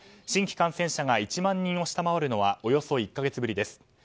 新規感染者が１万人を下回るのはおよそ１か月ぶりです。